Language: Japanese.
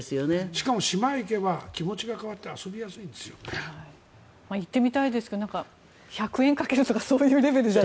しかも島に行けば気持ちが変わって行ってみたいですが１００円かけるとかそういうレベルで。